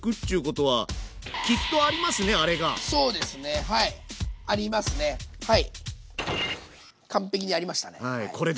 はい。